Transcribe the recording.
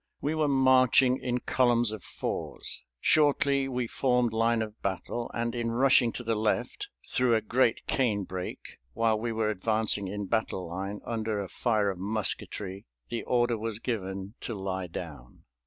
We were marching in columns of fours. Shortly, we formed line of battle, and in rushing to the left through a great cane brake, while we were advancing in battle line under a fire of musketry, the order was given to lie down.